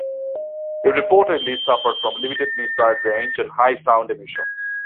It reportedly suffered from limited missile range and high sound emissions.